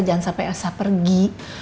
jangan sampai elsa pergi